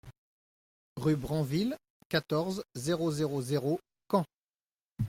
Rue Branville, quatorze, zéro zéro zéro Caen